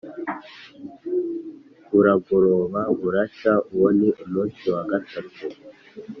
Buragoroba buracya, uwo ni umunsi wa gatatu.